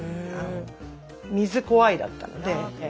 水怖いだったので。